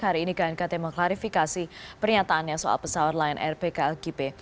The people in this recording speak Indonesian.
hari ini knkt mengklarifikasi pernyataannya soal pesawat lain rpklkp